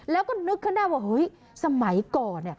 แล้วก็นึกขึ้นได้ว่าเฮ้ยสมัยก่อน